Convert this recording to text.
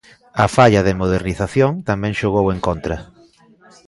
A falla de modernización tamén xogou en contra.